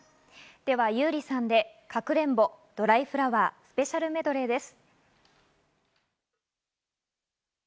では優里さんで『かくれんぼ』、『ドライフラワー』、スペシャルメドレーです。